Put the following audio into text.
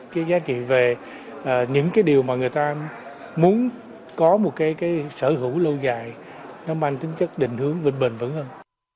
cái giá trị về những cái điều mà người ta muốn có một cái sở hữu lâu dài nó mang tính chất định hướng và bền vững hơn